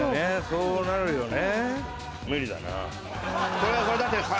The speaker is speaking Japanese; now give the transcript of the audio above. そうなるよね。